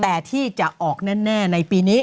แต่ที่จะออกแน่ในปีนี้